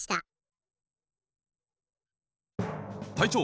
隊長！